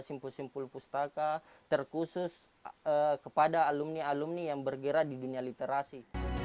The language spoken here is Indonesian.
simpul simpul pustaka terkhusus kepada alumni alumni yang bergerak di dunia literasi